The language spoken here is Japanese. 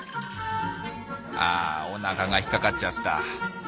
あおなかが引っ掛かっちゃった。